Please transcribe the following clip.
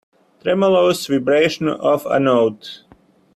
Tremulous vibration of a note.